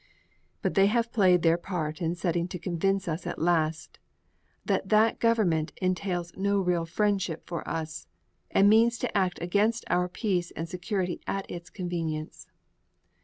But they have played their part in serving to convince us at last that that government entertains no real friendship for us and means to act against our peace and security at its convenience.